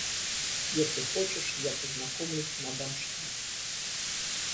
Если хочешь, я познакомлюсь с мадам Шталь.